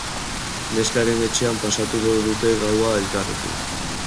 Neskaren etxean pasatuko dute gaua elkarrekin.